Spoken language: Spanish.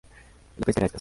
La pesca era escasa.